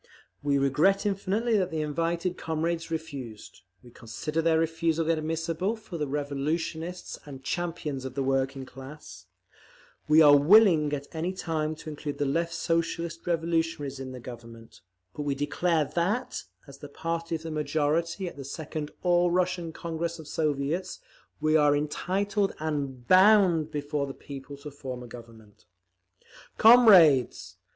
We regret infinitely that the invited comrades refused; we consider their refusal inadmissible for revolutionists and champions of the working class; we are willing at any time to include the Left Socialist Revolutionaries in the Government; but we declare that, as the party of the majority at the second All Russian Congress of Soviets, we are entitled and BOUND before the people to form a Government…. … Comrades!